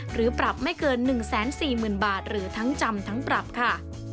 หรือปรับไม่เกิน๑๔๐๐๐บาทหรือทั้งจำทั้งปรับค่ะ